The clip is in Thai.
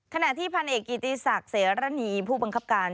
ขณะที่พันเอกกิติศักดิ์เสรณีผู้บังคับการ